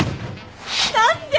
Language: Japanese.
何で？